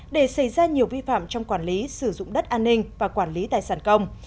để xảy ra nhiều vi phạm trong quản lý sử dụng đất an ninh và quản lý tài sản công